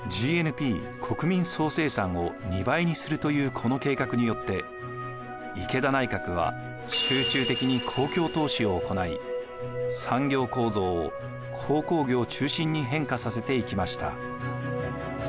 １０年でＧＮＰを２倍にするというこの計画によって池田内閣は集中的に公共投資を行い産業構造を鉱工業中心に変化させていきました。